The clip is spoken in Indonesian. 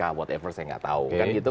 apa pun saya tidak tahu